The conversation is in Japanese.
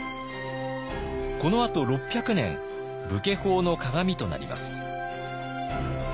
このあと６００年武家法の鑑となります。